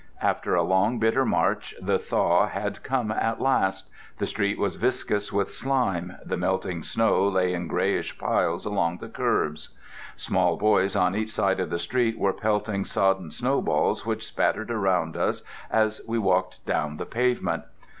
After a long, bitter March the thaw had come at last: the street was viscous with slime, the melting snow lay in grayish piles along the curbs. Small boys on each side of the Street were pelting sodden snowballs which spattered around us as we walked down the pavement.